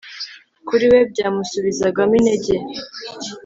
Kuri we byamusubizagamo intege